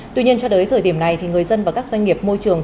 tuy nhiên cho tới thời điểm này thì người dân và các doanh nghiệp môi trường